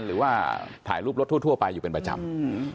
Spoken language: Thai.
หรือว่าถ่ายรูปรถทั่วไปอยู่เป็นประจำ